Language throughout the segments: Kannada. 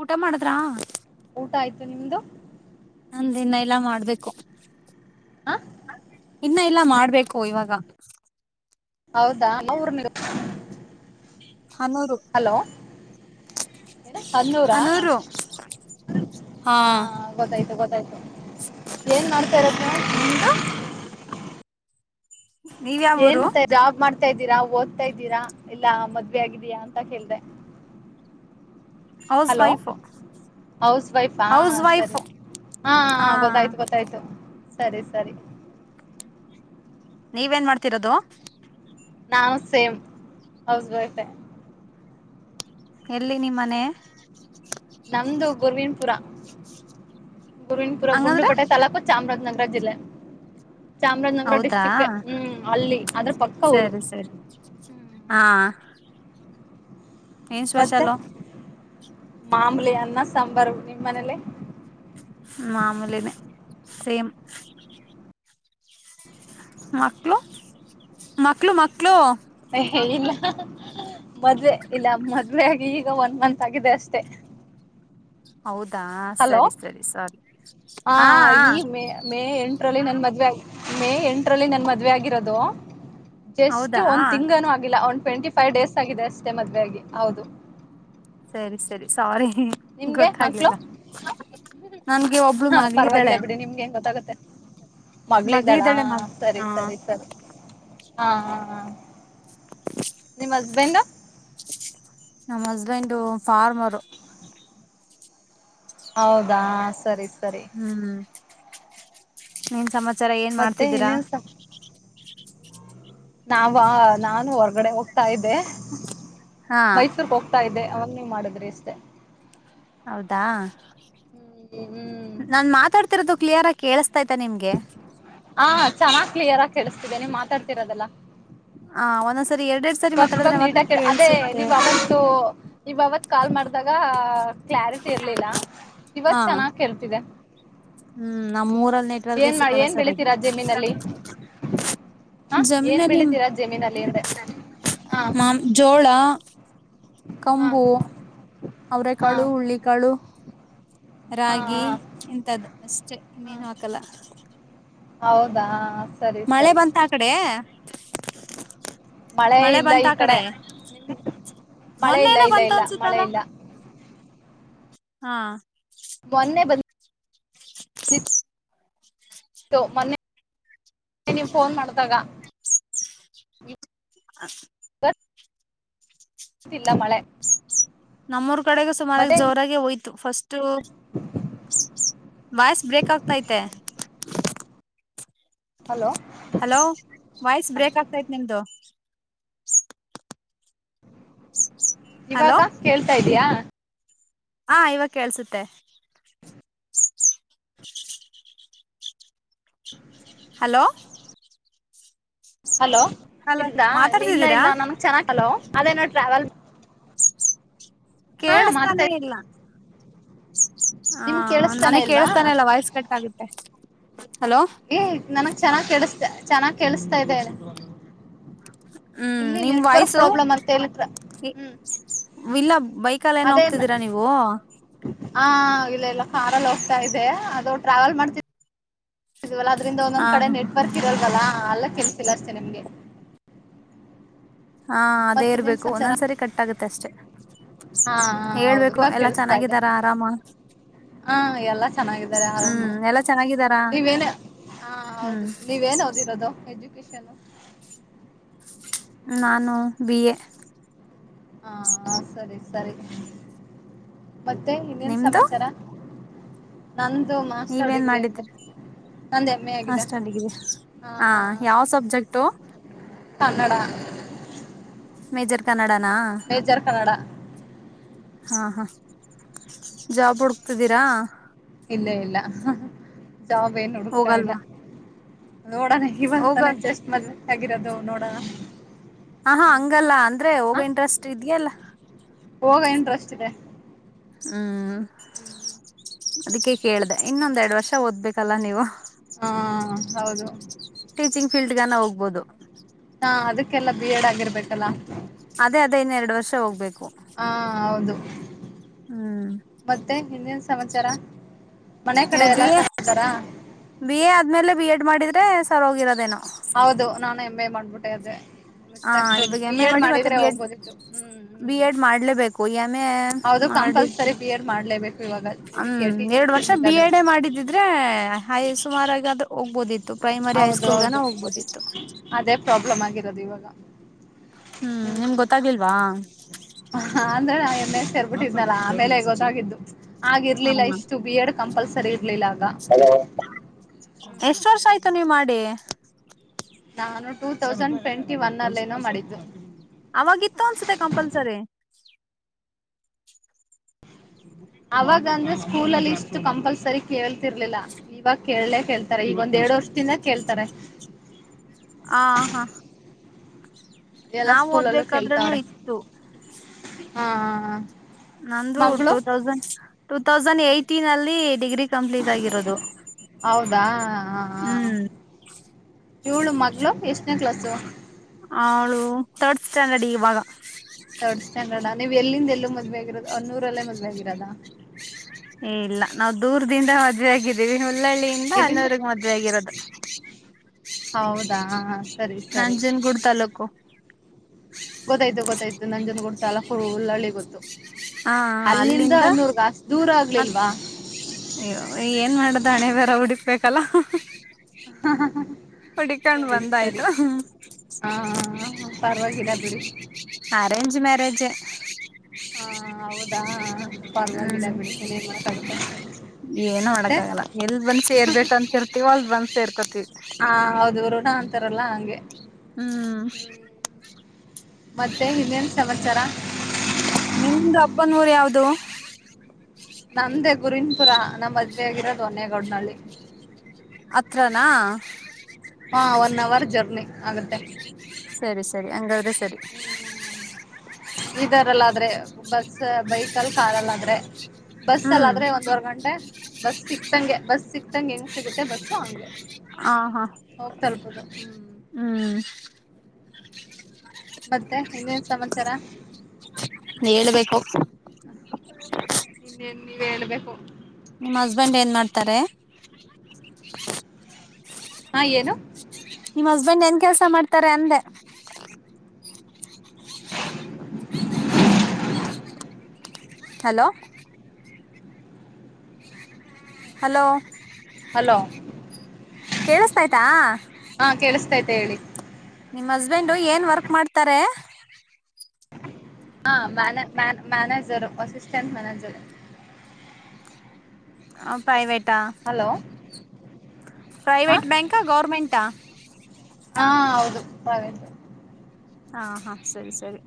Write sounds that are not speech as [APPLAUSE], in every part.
ಊಟ ಮಾಡುದ್ರಾ ಊಟ ಆಯ್ತು ನಿಮ್ದು ನಂದ ಇನ್ನ ಎಲ್ಲಾ ಮಾಡ್ಬೇಕು ಹ ಇನ್ನ ಎಲ್ಲಾ ಮಾಡ್ಬೇಕು ಇವಾಗ ಹೌದಾ ಅಮ್ಮ ಊರ್ ಮ [UNINTELLIGIBLE] ಹನೂರು ಹಲೋ ಹನೂರು ಹಾ ಗೊತ್ತಾಯ್ತು ಸರಿ ಏನ್ ನತಾರಪ್ಪ ನಿಮ್ದು ನೀವ್ ಏನ್ ಯಾವೂರು ಜಾಬ್ ಮಾಡ್ತ ಓ್ತಾ ಇದ್ದೀರಾ ಓದ್ತಾ ಇದ್ದೀರಾ ಇಲ್ಲಾ ಮದ್ವೆ ಆಗಿದೀಯಾ ಅಂತ ಕೇಳ್ದೆ ಹೌಸ್ ಹಲೋ ವೈಫು ಹೌಸ್ ವೈಫಾ ಹೌಸ್ ಸರಿ ವೈಫು ಹಾ ಹ ಗೊತ್ತಾಯ್ತು ಗೊತ್ತಾಯ್ತು ಸರಿ ಸರಿ ನೀವೇನ್ ಮಾಡ್ತಿರೋದು ನಾು ಸೇಮ್ ಹೌಸ್ ವೈಫ ಎಲ್ಲಿ ನಿಮ್ಮನೆ ನಮ್ದು ಗುರ್ವೀನ್ಪುರ ಗುರಿಣಪುರ ಹಂಗಂದ್ರೆ ಗುಂಡರುಪಟೆ ತೂಕು ಚಾಮರಾಜನಗರ ಪ್ರಜಿಲ್ಲ ಚಾಮರಾಜನಗರ ಹೌದಾ ಡಿಸ್ಟ್ರಿಕ್ಗೆ ಹ್ಮ್ ಅಲ್ಲಿ ಅದ್ರ ಪಕ್ಕ ಊರು ಸರಿ ಸರಿ ಹಾ ಏನ್ ಮತ್ತೆ ಸ್ಪೆಷಲ್ಲು ಮಾಮೂಲಿ ಅನ್ನ ಸಾಂಬಾರ ನಿಮ್ಮ್ ಮನೇಲಿ ಮಾಮೂಲಿ ನೇ ಸೇಮ್ [UNINTELLIGIBLE] ಮಕ್ಕಳು ಮಕ್ಳು ಮಕ್ಕಳು ಇಲ್ಲ ಮದ್ವೆ ಇಲ್ಲ ಮದ್ವೇ ಆಗಿ ಈಗ ಒನ್ ಮಂತ್ ಆಗಿದೆ ಅಷ್ಟೆ [INAUDIBLE] ಹೌದಾ ಸರಿ ಸರಿ ಸರಿ ಹಾ ಹಾ ಎರಲ್ಲಿ ನನ್ ಮದ್ವೆ ಆ ಮೇ ಎಂಟರಲ್ಲಿ ನನ್ ಮದ್ವೆ ಆಗಿರೋದು ಜಸ್ಟ್ ಹೌದಾ ಒಂದ್ ತಿಂಗನೂ ಆಗಿಲ್ಲ ಒ [UNINTELLIGIBLE] ಟ್ವೆಂಟಿ ಫೈವ್ ಡೇಸ್ ಆಗಿದೆ ಅಷ್ಟೇ ಮದುವೆ ಹಾಗಿ ಹೌದು ಸರಿ ಸರಿ ಸಾರಿ ನಿಮ್ಗೆ ಮಕ್ಳು ಗೊತ್ತಾಗ್ಲಿಲ್ಲ ನನ್ಗೆ ಒಬ್ಳು ಪರವಾಗಿಲ್ಲ ಮಗಳಿದ್ದಾಳೆ ಬಿಡಿ ನಿಮ್ಗೆ ಹೆಂಗ ಗೊತ್ತಾಗುತ್ತೆ ಮಗಳು ಇದ್ದಾಳ ಮಗಳಿದ್ದಾಳೆ ಮಗ್ ಸರಿ ಹ ಸರಿ ಸರಿ ಹಾ ಹಾ ಹ ನಿಮ್ಮ್ ಹಸ್ಬೆಂಡ್ ನಮ್ಮ ಹಸ್ಬೆಂಡ ಫಾರ್ಮರು ಹೌದಾ ಸರಿ ಸರಿ ಹ್ಮ್ ಏನ್ ಸಮಚ್ ಚರ ಏನ್ ಮತ್ತೆ ಮಾಡ್ತಿದ್ದೀರಾ ಇನ್ನೇನ್ ಸ ನಾವ ನಾನು ಹೊರಗಡೆ ಹೋಗ್ತಾ ಇದ್ದೆ ಹಾ ಮೈಸೂರ್ ಹೋಗ್ತಾ ಇದೆ ಅವನ್ನ ನೀ ಮಾಡಿದ್ರೆ ಇಷ್ಟೇ ಹೌದಾ ಹ್ಮ್ ನಾನ್ ಮಾತಾಡ್ತಿರೋದು ಕ್ಲಿಯರ್ ಆಗಿ ಕೆಲಸ್ ಹಾ ಚೆನ್ನಾಗ್ ಕ್ಲಿಯರ್ ಆಗಿ ಕೇಳಿಸ್ತಿದೆ ನೀವ್ ಮಾತಾಡ್ತಿರದೆಲ್ಲ ಹ ಒಂದೊಂದ್ಸರಿ ಎರಡೆರಡ್ ಸರಿ ಮಾತಾಡಿದ್ರೆ ಸ್ಪಷ್ಟವಾಗಿ ಮಾತ್ರ ನೀಟಾಗಿ ಕೇಳ್ ಅದೇ ಕೇಳ್ಸುತ್ತೆ ನೀವ್ ಅವತ್ತು ನೀವು ಅವ ಕಾಲ್ ಮಾಡಿದಾಗ ಕ್ಲಾರಿಟಿ ಇರ್ಲಿಲ್ಲ. ಹ ಇವತ್ ಚೆನ್ನಾಗ್ ಕೇಳ್ತಿದೆ ಹ್ಮ್ ನಮ್ಮೂರಲ್ ನೆಟ್ವರ್ಕೆ ಏನ್ ಮಾಡ ಸಿಕ್ಕಲ್ಲ ಏನ್ ಬೆಳಿತೀರಾ ಸರಿಯಗಿ ಜಮೀನಲ್ಲಿ ಹ ಏನ್ ಜಮೀನಲ್ಲಿ ಬೆಳಿತೀರಾ ಜಮೀನಲ್ಲಿ ಅಂದೆ ಹ ಮ ಜೋಳ ಹ ಕಂಬು ಅವ್ರೆ ಹ ಕಾಳು ಉಳ್ಳಿಕಾಳು. ಹ ರಾಗಿ ಇಂತದ್ ಅಷ್ಟೆ ಹ ಇನ್ನೇನು ಹಾಕಲ್ಲ. ಹೌದಾ ಸರಿ ಮಳೆ ಸರಿ ಬಂತ ಆ ಕಡೆ? ಮಳೆ ಇಲ್ಲ ಈ ಕಡೆ ನಿ ಮಳೆ ಇಲ್ಲ ಮೊನ್ನೆನೋ ಇಲ್ಲ ಬಂತ ಇಲ್ಲ ಮಳೆ ಅನ್ಸುತ್ತಲ್ಲ ಇಲ್ಲ. ಹಾ ಮೊನ್ನೆ ಬನ್ ಮೊನ್ನೆ ನೀವ್ ಫೋನ್ ಮಾಡ್ದಾಗ ಹ ತಿಲ್ಲ ಮಳೆ ನಮ್ಮುರ್ ಕಡೆಗು ಸುಮಾರಾಗ್ ಮತ್ತೆ ಜೋರಾಗೆ ಒಯ್ ತು ಫಸ್ ಟು ವಾಯ್ಸ್ ಬ್ರೇಕ್ ಆಗ್ತೈತೆ. ಹಲೋ ಹಲೋ ವಾಯ್ಸ್ ಬ್ರೇಕ್ ಆಗ್ತೈತ್ ನಿಮ್ದು. [INAUDIBLE] ಹಲೋ ಇವಾಗ ಕೇಳ್ತಾ ಇದಿಯಾ? ಹಾ ಇವಾಗ ಕೇಳ್ಸುತ್ತೆ. ಹಲೋ ಹಲೋ ಹಲೋ ಇಲ್ಲ ಇಲ್ಲ ಮಾತಾಡ್ತಿದ್ದೀರಾ ಇಲ್ಲ ನನ್ಗ್ ಚೆನ್ನಲೋ ಹಲೋ ಅದೇನೋ ಟ್ರಾವೆಲ್ ಮ್ ಕೇಳಿಸ್ತಾನೆ ಇಲ್ಲ. ಹಾ ನಿಮ್ಗ್ ಕೇಳಿಸ್ತಾನೆ ನನಿಗ್ ಇಲ್ವಾ ಕೇಳಿಸ್ತಾನೆ ಇಲ್ಲ ವಾಯ್ಸ್ ಕಟ್ಟಾಗುತ್ತೆ. ಏ ನನ್ಗ್ ಚೆನ್ನಾಗ್ ಕೆಡಿಸ್ತ ಚೆನ್ನಾಗಿ ಕೇಳಸ್ತಾ ಇದೇ. ಹ್ಮ್ ನಿಮ್ ವಾಯ್ಸು ಹೇಳಿದ್ರ ಹ್ಮ್ ಇಲ್ಲ ಬೈಕಲ್ ಏನ್ ಹೋಗ್ತಿದ್ದೀರಾ ನೀವು? ಹಾ ಇಲ್ಲ ಇಲ್ಲ ಕಾರಲ್ಲಿ ಹೋಗ್ತಾ ಇದೆ ಅದು ಟ್ರಾವೆಲ್ ಮಾಡ್ತಿ ಇಲ್ಲ ಅದ್ರಿಂದ ಹ ಒನ್ನೊಂದ್ ಕಡೆ ನೆಟ್ವರ್ಕ್ ಇರಲ್ವಲ್ಲ. ಹಾ ಅಲ್ಲ ಕೆಳ್ಸಿಲ್ಲ ಅಷ್ಟೇ ನಿಮ್ಗೆ. ಹಾ ಅದೇ ಮತ್ತ ಇನ್ನೇನ್ ಇರ್ಬೇಕು ಸಮಾಚಾರ ಒಂದೊಂದ್ಸರಿ ಕಟ್ ಆಗತ್ತೆ ಅಷ್ಟೆ ಹಾ ಹಾ ಹೌದು ಹೇಳ್ಬೇಕು ಇವಾಗ ಎಲ್ಲಾ ಕೇಳಿಸ್ತಾ ಇದೆ ಚೆನ್ನಾಗಿದ್ದಾರಾ ಆರಾಮ ಹಾ ಎಲ್ಲಾ ಚೆನ್ನಾಗಿದ್ದಾರೆ ಆರಾಮು ಹ್ಮ್ ಎಲ್ಲಾ ಚೆನ್ನಾಗಿದ್ದಾರಾ ನೀವೇನ ಹಾ ಹ್ಮ್. ವಿಶಾಲ್ ನಾನು ಬಿ ಎ ಹಾ ಸರಿ ಸರಿ ಮತ್ತೆ ಇನ್ನೇನ್ ನಿಮ್ದು ಸಮಾಚಾರ ನಂದು ಮಾಸ್ಟರ್ ನೀವೇನ್ ಡಿಗ್ರಿ ಆಗಿದೆ ಮಾಡಿದ್ರಿ ನಂದು ಎಮ್ ಎ ಆಗಿದೆ ಅಷ್ಟ ಅಲ್ಲಿಗ ಹಾ ಹ ಯಾವ subject Kannada major Kannada major Kannada ಹಾ ಹಾ ಜಾಬ್ ಹುಡುಕ್ತಿದ್ದೀರಾ ಇಲ್ಲ ಇಲ್ಲ ಜಾಬ್ಬೇನು ಹುಡುಕ್ತಾ ಇಲ್ಲ ಹೋಗಲ್ವಾ ನೋಡಣ ಇವಾಗ ಹೋಗ ತಾನೆ ಜಸ್ಟ್ ಮದುವೆ ಆಗಿರೋದು ನೋಡೋಣ ಹ ಹಾ ಹಂಗಲ್ಲ ಅಂದ್ರೆ ಹೋಗ ಹ ಇಂಟ್ರೆಸ್ಟ್ ಇದ್ಯಲ್ಲ ಹೋಗ ಇಂಟ್ರೆಸ್ಟ್ ಇದೆ ಹ್ಮ್ ಅದಕ್ಕೆ ಕೇಳ್ದ ಇನ್ನೊಂದೆರಡು ವರ್ಷ ಓದ್ಬೇಕಲ್ಲ ನೀವು ಹಾ ಹೌದು ಟೀಚಿಂಗ್ ಫೀಲ್ಡ್ಗಾನ ಹೋಗ್ಬೋದು ಹಾ ಅದಕ್ಕೆಲ್ಲಾ ಬಿ ಎಡ್ ಆಗಿರರ್ಬೇಕಲ್ಲ ಅದೇ ಅದೇ ಇನ್ನೆರಡು ವರ್ಷ ಹೋಗ್ಬೇಕು ಹಾ ಹೌದು ಹ್ಮ್ ಮತ್ತೆ ಇನ್ನೇನ್ ಸಮಾಚಾರ ಮನೆ ಕಡೆ ನೀವು ಎಲ್ಲ ಬಿ ಎ ಚೆನ್ನಾಗಿದ್ದಾರಾ ಬಿ ಎ ಆದ್ಮೇಲೆ ಬಿ ಎಡ್ ಮಾಡಿದ ಸರೋಗಿರದೇನ ಹೌದು ನಾನು ಎಮ್ ಎ ಮಾಡ್ಬಿಟ್ಟೆ ಅದೆ ಹ ಇವಾಗ ಎಮ್ ಎ ಮಾಡಿ ಮತ್ತೆ ಬಿ ಎಡ್ ಹೋಗ್ಬೋದಿತ್ತು ಹ್ಮ್ ಬಿ ಹ್ಮ್ ಎಡ್ ಮಾಡ್ಲೇಬೇಕು ಹೌದು ಮಾಡ ಕಂಪಲ್ಸರಿ ಬಿ ಎಡ್ ಮಾಡ್ಲೇಬೇಕು ಇವಾಗ ಹ ಇದಕ್ಕೆ ಎರಡು ಟೀಚಿಂಗ್ ವರ್ಷ ಬಿ ಫೀಲ್ಡ್ಗಾದ್ರೆ ಎಡ್ ಎ ಮಾಡಿದಿದ್ರೆ ಸುಮಾರು ಬೂದಿದಿ ಹೌದು ಹೌದು ಅದೇ ಪ್ರಾಬ್ಲಮ್ ಅಗೆತಿ ಪ್ರದಿ ಇವಾಗ ಹೂ ನಿಮ್ ಗೊತ್ತಾಗಿಲ್ವಾ ಸೇರ್ಬಿಟ್ಟಿದ್ನಲ್ಲಾ ಆಮೇಲೆ ಗೊತ್ತಾಗಿದ್ದು ಹ ಆಗಿರ್ಲಿಲ್ಲ ಇಷ್ಟು ಬಿ ಎಡ್ ಕಂಪಲ್ಸರಿ ಇರಲಿಲ್ಲ ಆಗ ಎಷ್ಟ ವರ್ಷ ಆಯ್ತು ನೀ ಮಾಡಿ ನಾನು ಟೂ ತೌಸಂಡ್ ಟ್ವೆಂಟಿ ಒನ್ ಅಲ್ಲೇನೋ ಮಾಡಿದ್ದು. ಅವಾಗಿತ್ತು ಅನ್ಸುತ್ತೆ [INAUDIBLE] ಅವಾಗ ಅಂದ್ರೆ ಸ್ಕೂಲಲ್ಲಿ ಇಷ್ಟು ಕಂಪಲ್ಸರಿ ಕೇಳ್ತಿರ್ಲಿಲ್ಲ ಇವಾಗ ಕೇಳೆ ಕೇಳ್ತಾರೆ ಈಗೊಂದೆರಡ್ ವರ್ಷದಿಂದ ಕೇಳ್ತಾರೆ. ಆ ಹಾ ಎಲ್ಲಾ ನಾವ್ ಸ್ಕೂಲಲ್ಲೂ ಓದ್ಬೇಕಾದ್ರೂನು ಕೇಳ್ತಾವ್ರೆ ಇತ್ತು ಹಾ ಹಾ ಹಾ ನಂದು ಟೂ ತೌಸಂಡ್ ಟೂ ತೌಸ್ ತೌಸಂಡ್ ಏಟಿನಲ್ಲಿ ಡಿಗ್ರಿ ಕಂಪ್ಲೀಟ್ ಆಗಿರೋದು ಹೌದಾ ಹ ಹ ಹ್ಮ್ ಇವಳು ಮಗ್ಳು ಎಷ್ ಷ್ಟನೇ ಕ್ಲಾಸು? ಅವಳು ಥರ್ಡ್ ಸ್ಟ್ಯಾಂಡರ್ಡ್ ಇವಾಗ ಥರ್ಡ ಸ್ಟ್ಯಾಂಡರ್ಡ ನೀವು ಎಲ್ಲಿಂದ ಎಲ್ಲಿಗೆ ಮದುವೆ ಆಗಿರೋದು ಅನ್ನೂರಲ್ಲೇ ಮದುವೆಯಾಗಿರೋದ? ಇಲ್ಲ ನಾವು ದೂರದಿಂದ ಮದುವೆ ಆಗಿದಿವಿ. ಹಳ್ಳಳ್ಳಿಯಿಂದ ಎಲ್ಲಿಂದ ಅನ್ನೋರುಗ್ ಮದುವೆ ಆಗಿರೋದು. ಹೌದಾ ಸ್ ನಂಜನಗೂಡ್ ತಾಲೂಕು ಗೊತ್ತಾಯ್ತು ಗೊತ್ತಾಯ್ತು ನಂಜನ್ನಗೂಡು ತಾಲೂಕು ಹುಲ್ಲಾಳ್ಳಿ ಗೊತ್ತು. ಹಾ ಅಲ್ಲಿಂದ ಅನ್ನೂರ್ಗ ಅಷ್ಟು ದೂರ ಆಗ್ಲಿಲ್ವಾ ಹ್ ಏನ್ ಮಾಡೋದು ಹಣೆಬರ್ ನಾವೂ ಹುಡುಕಬೇಕಲ್ಲ ಹ್ ಹ್ ಹ್ ಅಹ್ ಹಾ ಹ ಸರಿ ಸರಿ ಬಂದಾಯ್ತು ಹ ಪರ್ವಾಗಿಲ್ಲ ಬಿಡಿ ಅರೇಂಜ್ ಮ್ಯಾರೇಜೆ ಹಾ ಹೌದಾ ಪರವಾಗಿಲ್ಲ ಹ್ಮ್ ಬಿಡಿ ಇನ್ನೇನ್ ಮಾಡಕ್ಕಾಗುತ್ತೆ ಏನು ಮಾಡಕ್ ಮತ್ತೆ ಆಗಲ್ಲ ಎಲ್ಲಿ ಬಂದ್ ಸೇರ್ಬೇಕಂತಿರ್ತಿವೋ ಅಲ್ ಬಂದ್ ಸೇರ್ಕೊತೀವಿ. ತರಲ್ಲಾ ಹಂಗೆ ಹ್ಮ್ ಮತ್ತೆ ಇನ್ನೇನ್ ಸಮಾಚಾರ? ನಿಮ್ದ ಅಪ್ಪನ ಊರು ಯಾವ್ದು ನಮ್ದೆ ಗುರಿವಿನ್ ಪುರಾ ನಮ್ಮ್ ಮದ್ವೆ ಆಗಿರೋದು ಒನ್ನೇಗೌಡ್ನಳ್ಳಿ. ಅತ್ರನಾ? ಹಾ ಒನ್ ಅವರ್ ಆಗುತ್ತೆ ಸರಿ ಸರಿ ಹಂಗಾದ್ರೆ ಸರಿ. ಇದಾರಲ್ಲ ಅಂದ್ರೆ ಬಸ್ಸ ಬೈಕಲ್ ಕಾರಲ್ಲಾದ್ರೆ ಹ್ಮ್ ಬಸಲ್ಲಾದ್ರೆ ಒಂದ್ವರ್ ಗಂಟೆ ಬಸ್ ಸಿಕ್ತಂಗೆ ಬಸ್ ಸಿಕ್ ಇತ್ತಂಗ ಹೆಂಗ್ ಸಿಗುತ್ತೆ ಬಸ್ಸು ಹಂಗೆ. ಆ ಹಾ ಹೋಗ್ ತಲುಪೋದು ಹ್ಮ್ ಹ್ಮ್ ಮತ್ತೆ ಇನ್ನೇನ್ ಸಮಾಚಾರ? ಹೇಳ್ಬೇಕು ಇನ್ನೇನ್ ನೀವ್ ಹೇಳ್ಬೇಕು ನಿಮ್ ಹಸ್ಬೆಂಡ್ ಏನ್ ಮಾಡ್ ತಾರೆ ಹಾ ಏನು ನಿಮ್ ಹಸ್ಬೆಂಡ್ ಏನ್ ಕೆಲ್ಸ ಮಾಡ್ತಾರೆ ಅಂದೆ. ಹಲೋ ಹಲೋ ಹಲೋ ಕೇಳಿಸ್ತೈತ ಹಾ ಕೇಳಿಸ್ತೈತೆ ಹೇಳಿ. ನಿಮ್ ಹಸ್ಬೆಂಡ್ ಏನ್ ವರ್ಕ್ ಮಾಡ್ತಾರೆ. [INAUDIBLE] ಹಾ ಮ್ಯನೆ ಮ್ಯಾನ್ ಮ್ಯಾನೇಜರು ಅಸಿಸ್ಟೆಂಟ್ ಮ್ಯಾನೇಜರು. ಆ ಪ್ರೈವೇ ಟಾ ಹಲೋ ಹಾ ಪ್ರೈವೇಟ್ ಬ್ಯಾಂಕ ಗೌರ್ಮೆಂಟಾ. ಹಾ ಹೌದು [UNINTELLIGIBLE] ಹಾ ಹಾ ಸರಿ ಸರಿ.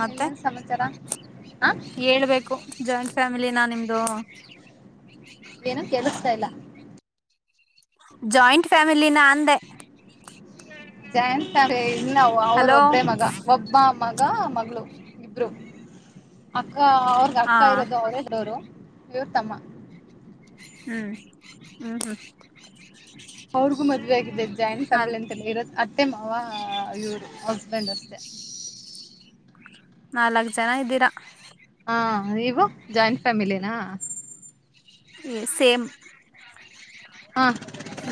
ಮತ್ತೆ ಇನ್ನೇನ್ ಸಮಾಚಾರ ಹ ಹೇಳ್ಬೇಕು ಜಾಸ್ ಫ್ಯಾಮಿಲಿನ ನಿಮ್ದು ಏನು ಕೇಳಿಸ್ತಾ ಇಲ್ಲ. ಜಾಯಿಂಟ್ ಫ್ಯಾಮಿಲಿನ ಅಂದೆ. [UNINTELLIGIBLE] ಇನ್ನ ಅವರು ಹಲೋ ಒಬ್ಬ್ರೇ ಮಗ ಒಬ್ಬ ಮಗ ಮಗಳು ಇಬ್ರು ಅಕ್ ಅಕ್ಕ ಅವ್ರಿಗ್ ಹಾ ಅಕ್ಕ ಇರೋದು ಅವ್ರೆ ಡೋರು. ಇವ್ರ್ ತಮ್ಮ ಹ್ಮ್ ಊ ಹ್ಮ ಅವ್ರಿಗೂ ಮದುವೆ ಆಗಿದೆ ಜಾಯಿಂಟ್ ಅ ಫ್ಯಾಮಿಲಿ ಎಂತೆಲ್ಲ ಇರ ಅದ್ ಅತ್ತೆ ಮಾವಾ ಯೂರ್ ಹಸ್ಬೆಂಡ್ ಅಷ್ಟೇ. ನಾಲ್ಕ್ ಜನ ಇದ್ದೀರ ಹ ನೀವು ಜಾಯಿಂಟ್ ಫ್ಯಾಮಿಲಿನ? ಏ ಸೇಮ್. ಹಾ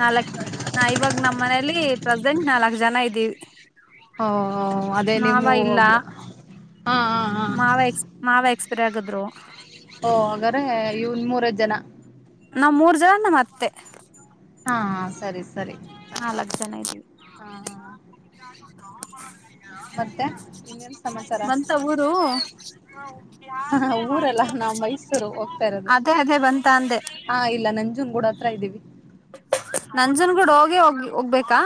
ನಾಲಕ್ಕ್ ಇವಾಗ್ ನಮ್ಮ್ ಮನೆಲಿ ಪ್ರಜ್ ಡ್ ನಾಲ್ಕ್ ಜನ ಇದ್ದೀವಿ. ಹೊ ಓ ಅದೇ ಮಾವ ನಿಮ್ಮ ಇಲ್ಲ ಒಬ್ರು ಹಾ ಹಾ ಹಾ ಮಾವ ಎಕ್ಸ್ ಮಾವ ಎಕ್ಸ್ ಪೈರಾಗಿದ್ರು ಹಾಗಾರೆ ಇವನ್ ಮೂರೆ ಜನ. ನಾವ್ ಮೂರ್ ಜನ ನಮ್ಮ್ ಅತ್ತೆ. ಹಾ ಹಾ ಸರಿ ಸ್ ನಾಲ್ಕ್, ಜನ. ಇದ್ದೀವಿ. ಹಾ ಮತ್ತೆ ಇನ್ನೇನ್ ಸಮಾಚಾರ ಬಂತ ಊರು ಊರಲ್ಲ ನಾವು ಮೈಸೂರು [UNINTELLIGIBLE] ಹೋಗ್ತಾ ಇರೋದು ಅದೇ ಅದೇ ಬಂತ ಅಂದೆ. ತ್ರ ಇದ್ದೀವಿ. ನಂಜನಗೂಡು ಹೋಗಿ ಹೋಗ್ ಹೋಗ್ಬೇಕಾ?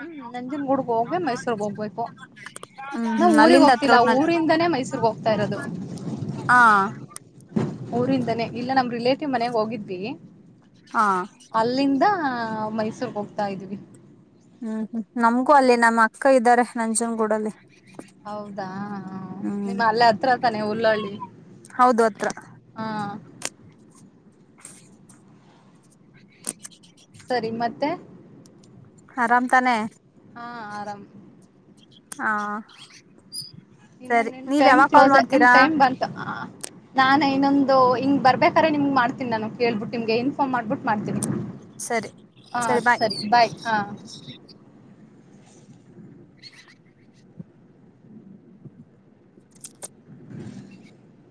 ಹ್ಮ್ ನಂಜನ್ ಗೂಡ್ಗ್ ಹೋಗೆ ಮೈಸೂರಿಗೆ ಹೋಗ್ಬೇಕು ಹ್ಮ್ ನ ಹ್ಮ್ ಊರಿಗ್ ಅಲ್ಲಿಂದ ಹತ್ರ ಹೋಗ್ತಿಲ್ಲ ಒಟ್ನಲ್ಲಿ. ಊರಿಂದಾನೇ ಮೈಸೂರರ್ಗ್ ರ್ಹೋಗ್ತಾ ಇರೋದು. ಹಾ ಊರಿಂದಾನೇ ಇಲ್ಲ ನಮ್ ರಿಲೇಟಿವ್ ಮನೆಗ್ ಹೋಗಿದ್ವಿ. ಹಾ ಹ ಮೈಸೂರ್ಗ್ ಹೋಗ್ತಾ ಇದೀವಿ. ಹ್ಮ್ ಹ್ಮ್ ನಮ್ಗೂ ಅಲ್ಲಿ ನಮ್ಮ್ ಅಕ್ಕ ಇದ್ದಾರೆ ನಂಜನ್ ಗೂಡಲ್ಲಿ. ಹೌದಾ ಹ್ಮ್ ನಿಮ್ ಅಲ್ಲೆ ಹತ್ರ ತಾನೆ ಹುಲ್ಲಾಳಿ ಹೌದು ಹತ್ರ ಹಾ. [INAUDIBLE] ಸರಿ ಮತ್ತೆ ಆರಾಮ್ ತಾನೆ ಹಾ ಆರಾಮ್ ಹಾ ಇನ್ನೆನ್ ಸರಿ ನಿಮ್ ನೀವ್ ಟೈಮ್ ಯಾವಾಗ ಕಾಲ್ ಕ್ಲೋಸೆ ನಿಮ್ ಮಾಡ್ತೀರಾ ಟೈಮ್ ಬಂತು ಆ ಅ ನಾನೆ ಇನ್ನೊಂದು ಹಿಂಗ್ ಬರ್ಬೇಕಾದ್ರೆ ನಿಮ್ಗೆ ಮಾಡ್ತನಿ ನಾನು ಕೇಳ್ಬಿಟ್ಟು ನಿಮ್ಗೆ ಇನ್ಫಾರ್ಮ್ ಮಾಡ್ಬಿಟ್ಟು ಮಾಡ್ತೀನಿ. ಸರಿ ಸರಿ ಬಾಯ್. [INAUDIBLE]